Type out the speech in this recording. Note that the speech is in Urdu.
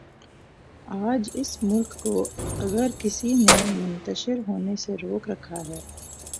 آج اس ملک کو اگر کسی نے منتشر ہونے سے روک رکھا ہے۔